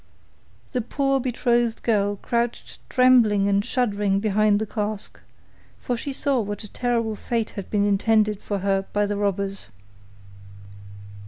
The poor betrothed girl crouched trembling and shuddering behind the cask, for she saw what a terrible fate had been intended for her by the robbers.